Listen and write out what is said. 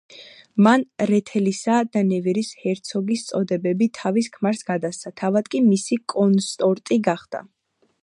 მან რეთელისა და ნევერის ჰერცოგის წოდებები თავის ქმარს გადასცა, თავად კი მისი კონსორტი გახდა.